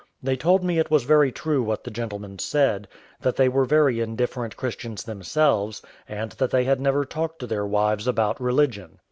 They told me it was very true what the gentleman said, that they were very indifferent Christians themselves, and that they had never talked to their wives about religion.